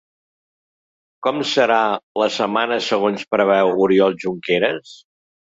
Com serà la setmana segons preveu Oriol Junqueras?